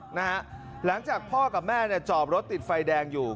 หลังจากพ่อกับแม่เนี่ยจอบรถติดไฟแดงอยู่